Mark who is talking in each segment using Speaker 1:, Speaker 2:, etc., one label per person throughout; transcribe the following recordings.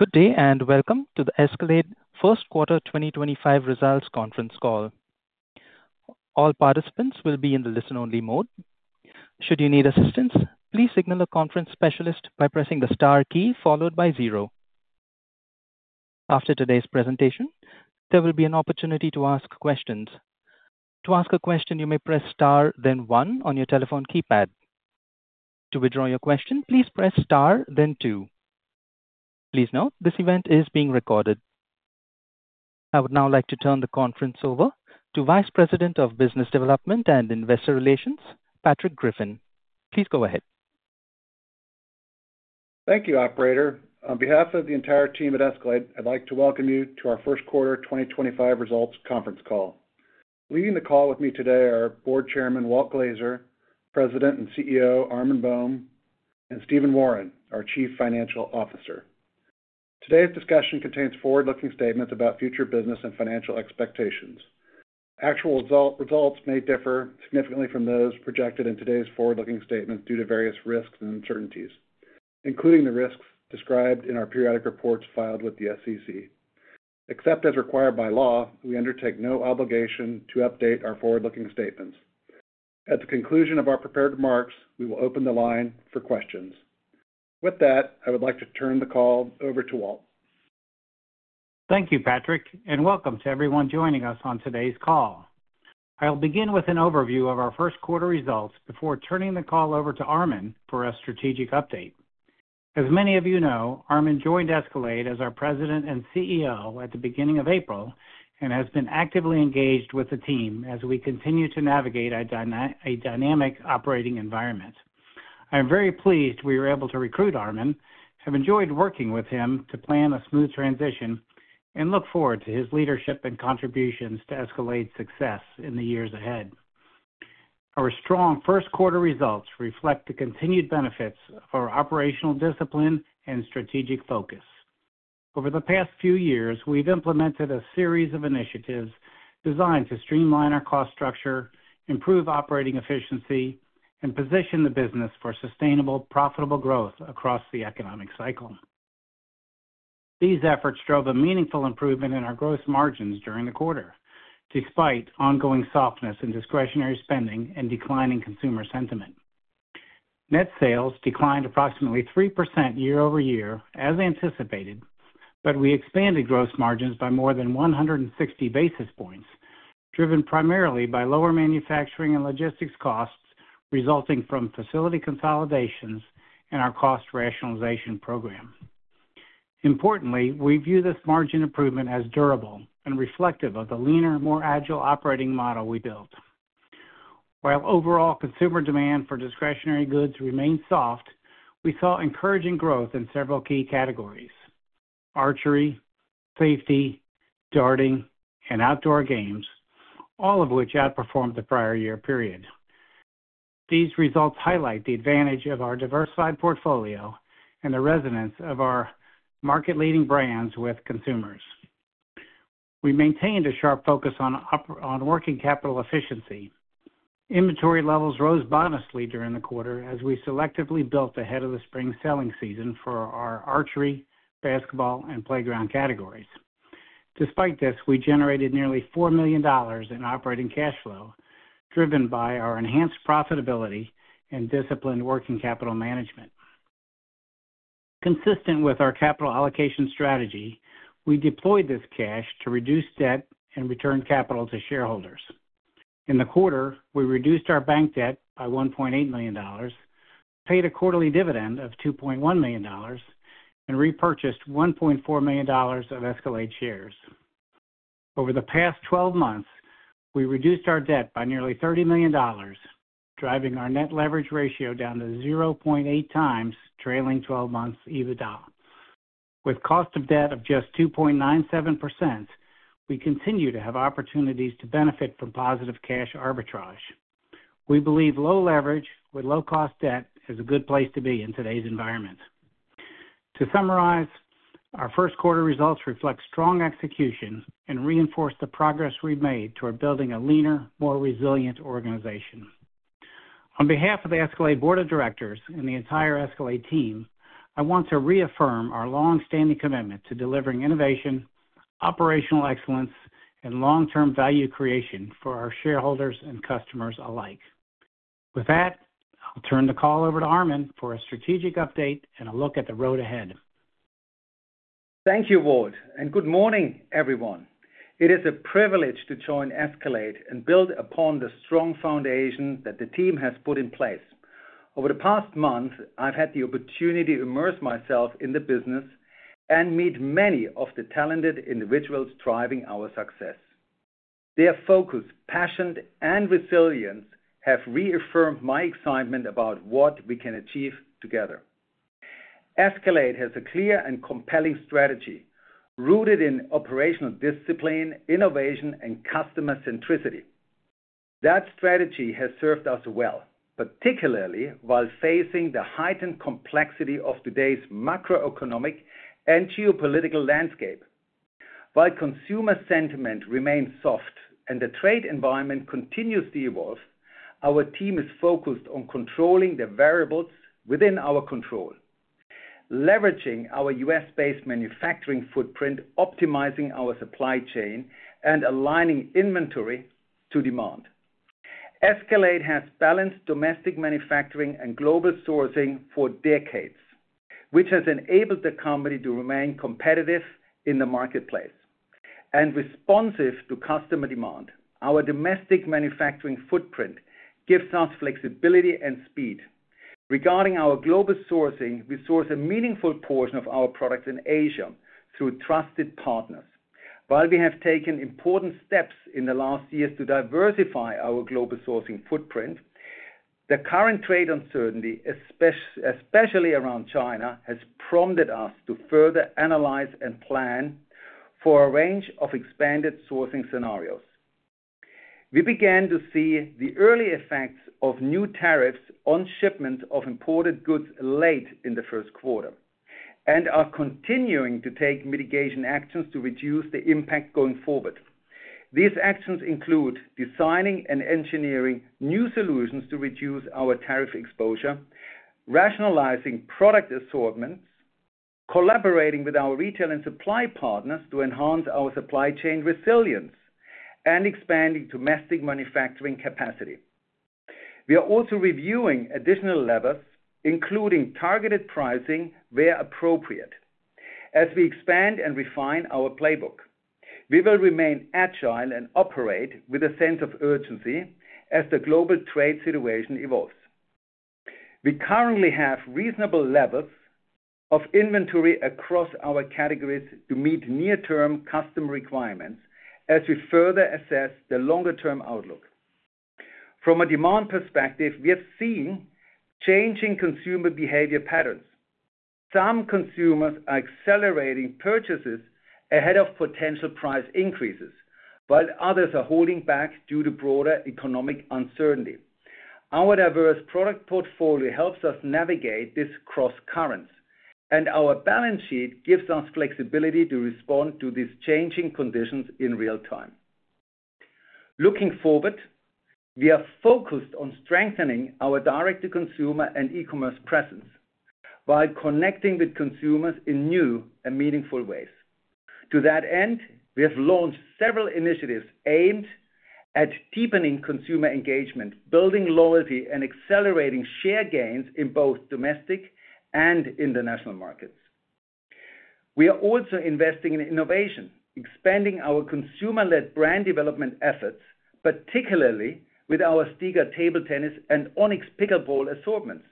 Speaker 1: Good day, and welcome to the Escalade First Quarter 2025 Results Conference call. All participants will be in the listen-only mode. Should you need assistance, please signal a conference specialist by pressing the star key followed by zero. After today's presentation, there will be an opportunity to ask questions. To ask a question, you may press star, then one, on your telephone keypad. To withdraw your question, please press star, then two. Please note, this event is being recorded. I would now like to turn the conference over to Vice President of Business Development and Investor Relations, Patrick Griffin. Please go ahead.
Speaker 2: Thank you, Operator. On behalf of the entire team at Escalade, I'd like to welcome you to our First Quarter 2025 Results Conference call. Leading the call with me today are Board Chairman Walt Glazer, President and CEO Armin Boehm, and Stephen Wawrin, our Chief Financial Officer. Today's discussion contains forward-looking statements about future business and financial expectations. Actual results may differ significantly from those projected in today's forward-looking statements due to various risks and uncertainties, including the risks described in our periodic reports filed with the SEC. Except as required by law, we undertake no obligation to update our forward-looking statements. At the conclusion of our prepared remarks, we will open the line for questions. With that, I would like to turn the call over to Walt.
Speaker 3: Thank you, Patrick, and welcome to everyone joining us on today's call. I'll begin with an overview of our first quarter results before turning the call over to Armin for a strategic update. As many of you know, Armin joined Escalade as our President and CEO at the beginning of April and has been actively engaged with the team as we continue to navigate a dynamic operating environment. I am very pleased we were able to recruit Armin, have enjoyed working with him to plan a smooth transition, and look forward to his leadership and contributions to Escalade's success in the years ahead. Our strong first quarter results reflect the continued benefits of our operational discipline and strategic focus. Over the past few years, we've implemented a series of initiatives designed to streamline our cost structure, improve operating efficiency, and position the business for sustainable, profitable growth across the economic cycle. These efforts drove a meaningful improvement in our gross margins during the quarter, despite ongoing softness in discretionary spending and declining consumer sentiment. Net sales declined approximately 3% year over year, as anticipated, but we expanded gross margins by more than 160 basis points, driven primarily by lower manufacturing and logistics costs resulting from facility consolidations and our cost rationalization program. Importantly, we view this margin improvement as durable and reflective of the leaner, more agile operating model we built. While overall consumer demand for discretionary goods remained soft, we saw encouraging growth in several key categories: archery, safety, darting, and outdoor games, all of which outperformed the prior year period. These results highlight the advantage of our diversified portfolio and the resonance of our market-leading brands with consumers. We maintained a sharp focus on working capital efficiency. Inventory levels rose modestly during the quarter as we selectively built ahead of the spring selling season for our archery, basketball, and playground categories. Despite this, we generated nearly $4 million in operating cash flow, driven by our enhanced profitability and disciplined working capital management. Consistent with our capital allocation strategy, we deployed this cash to reduce debt and return capital to shareholders. In the quarter, we reduced our bank debt by $1.8 million, paid a quarterly dividend of $2.1 million, and repurchased $1.4 million of Escalade shares. Over the past 12 months, we reduced our debt by nearly $30 million, driving our net leverage ratio down to 0.8 times trailing 12 months EBITDA. With a cost of debt of just 2.97%, we continue to have opportunities to benefit from positive cash arbitrage. We believe low leverage with low-cost debt is a good place to be in today's environment. To summarize, our first quarter results reflect strong execution and reinforce the progress we've made toward building a leaner, more resilient organization. On behalf of the Escalade Board of Directors and the entire Escalade team, I want to reaffirm our longstanding commitment to delivering innovation, operational excellence, and long-term value creation for our shareholders and customers alike. With that, I'll turn the call over to Armin for a strategic update and a look at the road ahead.
Speaker 4: Thank you, Ward, and good morning, everyone. It is a privilege to join Escalade and build upon the strong foundation that the team has put in place. Over the past month, I've had the opportunity to immerse myself in the business and meet many of the talented individuals driving our success. Their focus, passion, and resilience have reaffirmed my excitement about what we can achieve together. Escalade has a clear and compelling strategy rooted in operational discipline, innovation, and customer centricity. That strategy has served us well, particularly while facing the heightened complexity of today's macroeconomic and geopolitical landscape. While consumer sentiment remains soft and the trade environment continues to evolve, our team is focused on controlling the variables within our control, leveraging our U.S.-based manufacturing footprint, optimizing our supply chain, and aligning inventory to demand. Escalade has balanced domestic manufacturing and global sourcing for decades, which has enabled the company to remain competitive in the marketplace and responsive to customer demand. Our domestic manufacturing footprint gives us flexibility and speed. Regarding our global sourcing, we source a meaningful portion of our products in Asia through trusted partners. While we have taken important steps in the last years to diversify our global sourcing footprint, the current trade uncertainty, especially around China, has prompted us to further analyze and plan for a range of expanded sourcing scenarios. We began to see the early effects of new tariffs on shipments of imported goods late in the first quarter and are continuing to take mitigation actions to reduce the impact going forward. These actions include designing and engineering new solutions to reduce our tariff exposure, rationalizing product assortments, collaborating with our retail and supply partners to enhance our supply chain resilience, and expanding domestic manufacturing capacity. We are also reviewing additional levers, including targeted pricing where appropriate, as we expand and refine our playbook. We will remain agile and operate with a sense of urgency as the global trade situation evolves. We currently have reasonable levels of inventory across our categories to meet near-term customer requirements as we further assess the longer-term outlook. From a demand perspective, we have seen changing consumer behavior patterns. Some consumers are accelerating purchases ahead of potential price increases, while others are holding back due to broader economic uncertainty. Our diverse product portfolio helps us navigate this cross-current, and our balance sheet gives us flexibility to respond to these changing conditions in real time. Looking forward, we are focused on strengthening our direct-to-consumer and e-commerce presence while connecting with consumers in new and meaningful ways. To that end, we have launched several initiatives aimed at deepening consumer engagement, building loyalty, and accelerating share gains in both domestic and international markets. We are also investing in innovation, expanding our consumer-led brand development efforts, particularly with our Stieger table tennis and Onix pickleball assortments,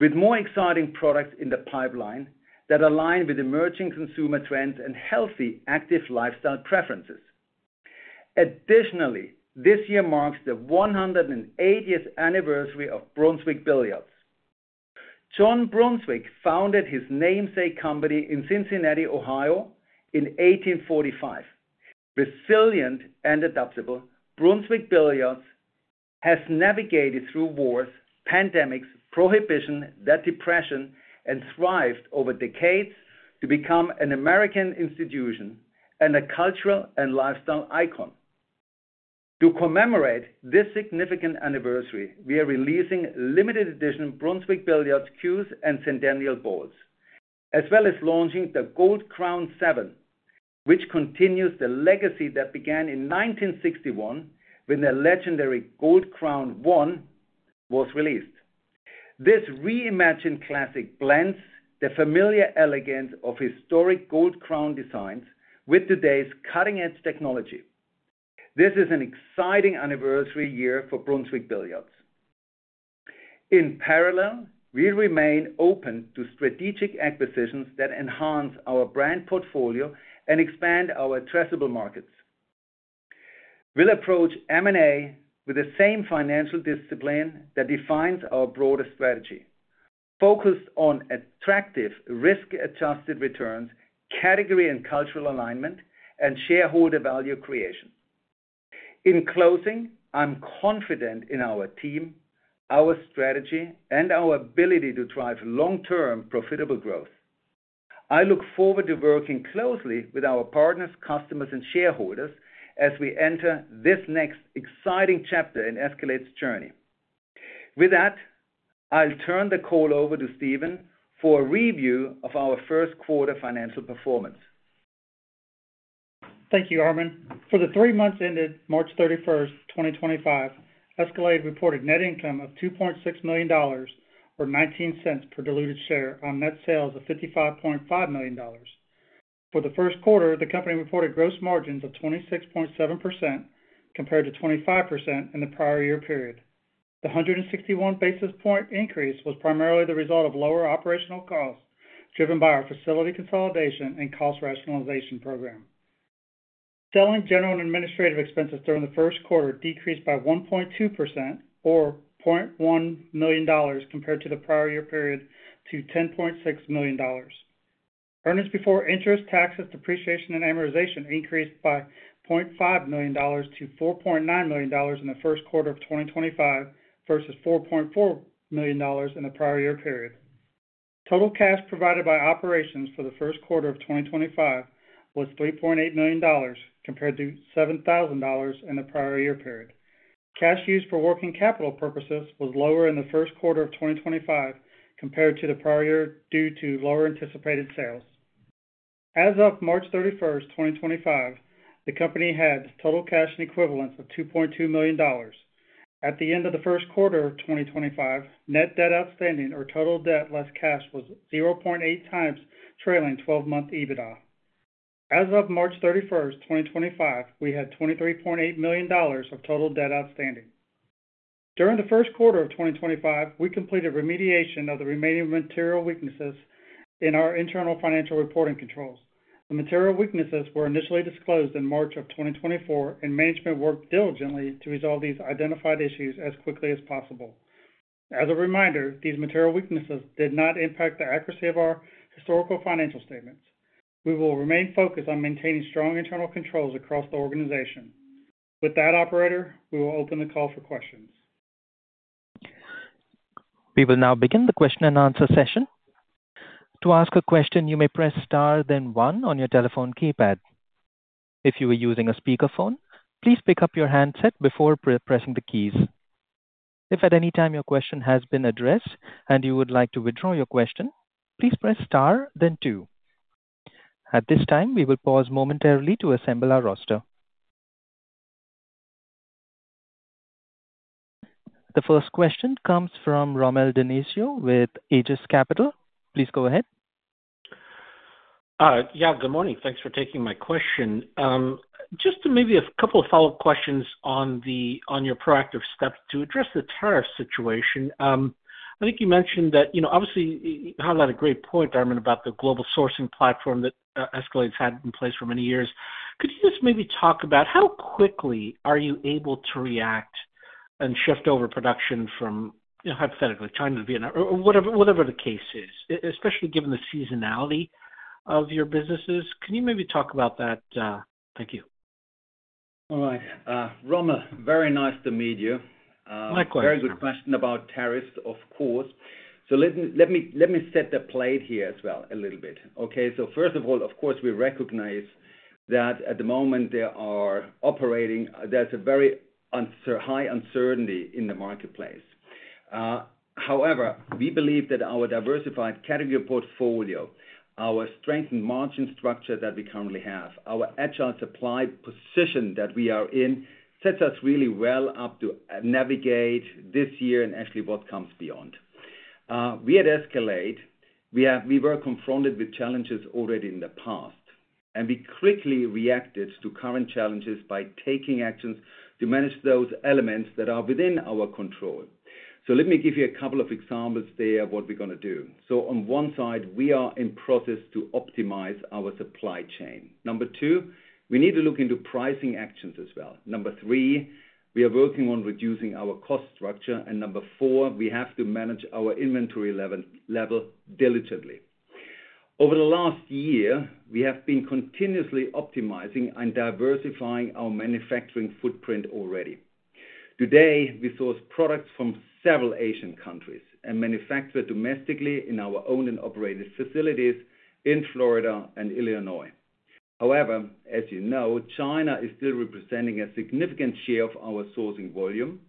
Speaker 4: with more exciting products in the pipeline that align with emerging consumer trends and healthy, active lifestyle preferences. Additionally, this year marks the 180th anniversary of Brunswick Billiards. John Brunswick founded his namesake company in Cincinnati, Ohio, in 1845. Resilient and adaptable, Brunswick Billiards has navigated through wars, pandemics, prohibition, and depression, and thrived over decades to become an American institution and a cultural and lifestyle icon. To commemorate this significant anniversary, we are releasing limited-edition Brunswick Billiards cues and centennial balls, as well as launching the Gold Crown 7, which continues the legacy that began in 1961 when the legendary Gold Crown 1 was released. This reimagined classic blends the familiar elegance of historic Gold Crown designs with today's cutting-edge technology. This is an exciting anniversary year for Brunswick Billiards. In parallel, we remain open to strategic acquisitions that enhance our brand portfolio and expand our addressable markets. We'll approach M&A with the same financial discipline that defines our broader strategy, focused on attractive risk-adjusted returns, category and cultural alignment, and shareholder value creation. In closing, I'm confident in our team, our strategy, and our ability to drive long-term profitable growth. I look forward to working closely with our partners, customers, and shareholders as we enter this next exciting chapter in Escalade's journey. With that, I'll turn the call over to Stephen for a review of our first quarter financial performance.
Speaker 5: Thank you, Armin. For the three months ended March 31, 2025, Escalade reported net income of $2.6 million, or $0.19 per diluted share, on net sales of $55.5 million. For the first quarter, the company reported gross margins of 26.7% compared to 25% in the prior year period. The 161 basis point increase was primarily the result of lower operational costs driven by our facility consolidation and cost rationalization program. Selling, general, and administrative expenses during the first quarter decreased by 1.2%, or $0.1 million compared to the prior year period, to $10.6 million. Earnings before interest, taxes, depreciation, and amortization increased by $0.5 million to $4.9 million in the first quarter of 2025 versus $4.4 million in the prior year period. Total cash provided by operations for the first quarter of 2025 was $3.8 million compared to $7,000 in the prior year period. Cash used for working capital purposes was lower in the first quarter of 2025 compared to the prior year due to lower anticipated sales. As of March 31, 2025, the company had total cash in equivalence of $2.2 million. At the end of the first quarter of 2025, net debt outstanding, or total debt less cash, was 0.8 times trailing 12-month EBITDA. As of March 31, 2025, we had $23.8 million of total debt outstanding. During the first quarter of 2025, we completed remediation of the remaining material weaknesses in our internal financial reporting controls. The material weaknesses were initially disclosed in March of 2024, and management worked diligently to resolve these identified issues as quickly as possible. As a reminder, these material weaknesses did not impact the accuracy of our historical financial statements. We will remain focused on maintaining strong internal controls across the organization. With that, Operator, we will open the call for questions.
Speaker 1: We will now begin the question and answer session. To ask a question, you may press star, then 1 on your telephone keypad. If you are using a speakerphone, please pick up your handset before pressing the keys. If at any time your question has been addressed and you would like to withdraw your question, please press star, then two. At this time, we will pause momentarily to assemble our roster. The first question comes from Rommel Dionisio with Aegis Capital. Please go ahead.
Speaker 6: Yeah, good morning. Thanks for taking my question. Just maybe a couple of follow-up questions on your proactive steps to address the tariff situation. I think you mentioned that, obviously, you highlighted a great point, Armin, about the global sourcing platform that Escalade has had in place for many years. Could you just maybe talk about how quickly are you able to react and shift over production from, hypothetically, China to Vietnam, or whatever the case is, especially given the seasonality of your businesses? Can you maybe talk about that? Thank you.
Speaker 4: All right. Rommel, very nice to meet you.
Speaker 6: Likewise. Very good question about tariffs, of course. Let me set the plate here as well a little bit. First of all, of course, we recognize that at the moment there is operating, there's a very high uncertainty in the marketplace. However, we believe that our diversified category portfolio, our strengthened margin structure that we currently have, our agile supply position that we are in, sets us really well up to navigate this year and actually what comes beyond. We at Escalade, we were confronted with challenges already in the past, and we quickly reacted to current challenges by taking actions to manage those elements that are within our control. Let me give you a couple of examples there of what we're going to do. On one side, we are in process to optimize our supply chain. Number two, we need to look into pricing actions as well. Number three, we are working on reducing our cost structure. Number four, we have to manage our inventory level diligently. Over the last year, we have been continuously optimizing and diversifying our manufacturing footprint already. Today, we source products from several Asian countries and manufacture domestically in our own and operated facilities in Florida and Illinois. However, as you know, China is still representing a significant share of our sourcing volume,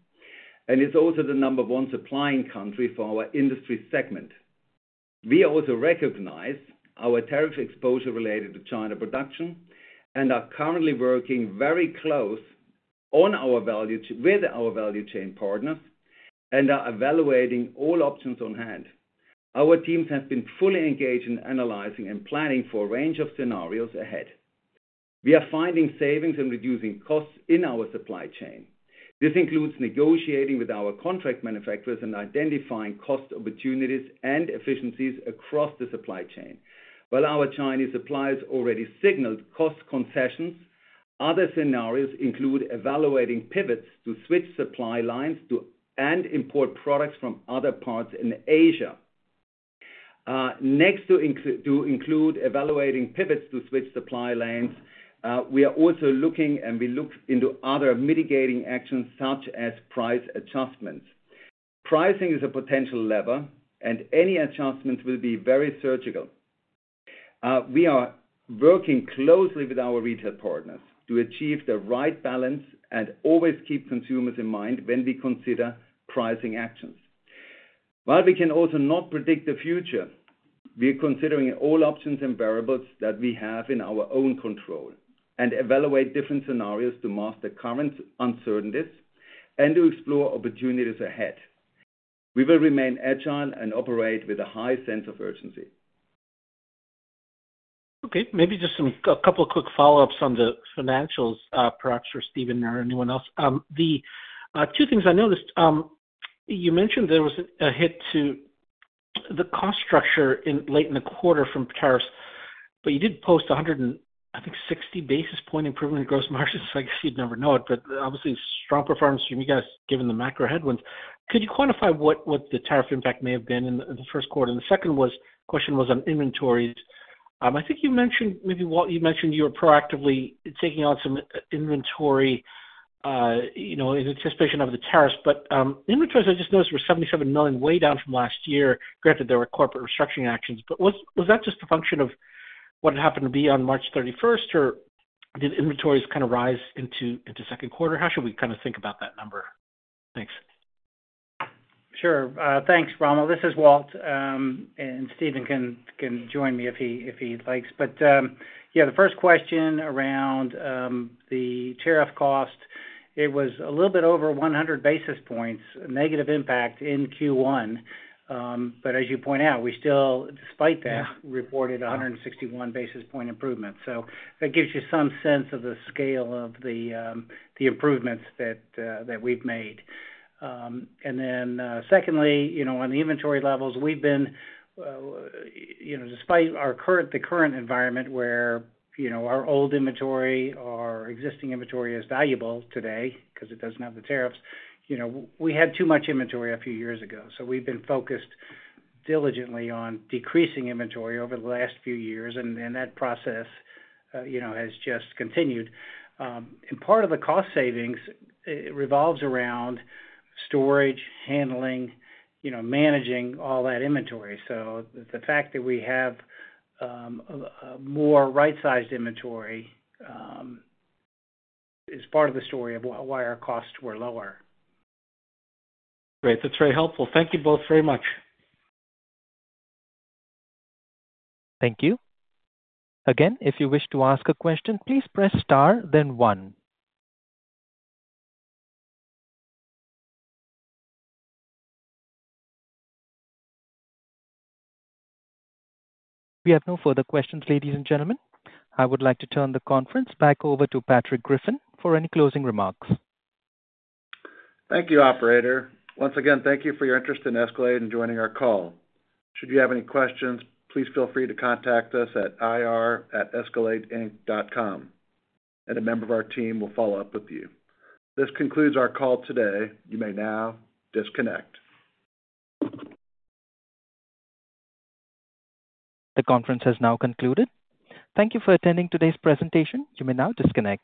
Speaker 6: and it is also the number one supplying country for our industry segment. We also recognize our tariff exposure related to China production and are currently working very close with our value chain partners and are evaluating all options on hand. Our teams have been fully engaged in analyzing and planning for a range of scenarios ahead. We are finding savings and reducing costs in our supply chain. This includes negotiating with our contract manufacturers and identifying cost opportunities and efficiencies across the supply chain. While our Chinese suppliers already signaled cost concessions, other scenarios include evaluating pivots to switch supply lines and import products from other parts in Asia. Next to include evaluating pivots to switch supply lines, we are also looking and we look into other mitigating actions such as price adjustments. Pricing is a potential lever, and any adjustments will be very surgical. We are working closely with our retail partners to achieve the right balance and always keep consumers in mind when we consider pricing actions. While we can also not predict the future, we are considering all options and variables that we have in our own control and evaluate different scenarios to master current uncertainties and to explore opportunities ahead. We will remain agile and operate with a high sense of urgency. Okay, maybe just a couple of quick follow-ups on the financials, perhaps for Stephen or anyone else. The two things I noticed, you mentioned there was a hit to the cost structure late in the quarter from tariffs, but you did post 100 and, I think, 60 basis point improvement in gross margins. I guess you'd never know it, but obviously, strong performance from you guys given the macro headwinds. Could you quantify what the tariff impact may have been in the first quarter? The second question was on inventories. I think you mentioned maybe you mentioned you were proactively taking on some inventory in anticipation of the tariffs, but inventories I just noticed were $77 million way down from last year. Granted, there were corporate restructuring actions, but was that just a function of what happened to be on March 31, or did inventories kind of rise into second quarter? How should we kind of think about that number? Thanks.
Speaker 3: Sure. Thanks, Rommel. This is Walt, and Stephen can join me if he likes. Yeah, the first question around the tariff cost, it was a little bit over 100 basis points negative impact in Q1, but as you point out, we still, despite that, reported 161 basis point improvements. That gives you some sense of the scale of the improvements that we've made. Secondly, on the inventory levels, we've been, despite the current environment where our old inventory, our existing inventory is valuable today because it does not have the tariffs, we had too much inventory a few years ago. We have been focused diligently on decreasing inventory over the last few years, and that process has just continued. Part of the cost savings revolves around storage, handling, managing all that inventory. The fact that we have more right-sized inventory is part of the story of why our costs were lower.
Speaker 6: Great. That's very helpful. Thank you both very much.
Speaker 1: Thank you. Again, if you wish to ask a question, please press star, then one. We have no further questions, ladies and gentlemen. I would like to turn the conference back over to Patrick Griffin for any closing remarks.
Speaker 2: Thank you, Operator. Once again, thank you for your interest in Escalade and joining our call. Should you have any questions, please feel free to contact us at ir@escaladeinc.com, and a member of our team will follow up with you. This concludes our call today. You may now disconnect.
Speaker 1: The conference has now concluded. Thank you for attending today's presentation. You may now disconnect.